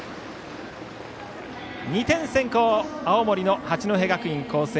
２点先行、青森の八戸学院光星。